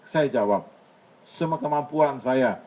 saya jawab semua kemampuan saya